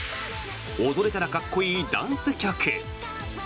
踊れたらカッコいいダンス曲。